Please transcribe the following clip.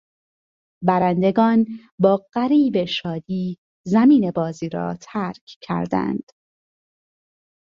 برندگان با غریو شادی زمین بازی را ترک کردند.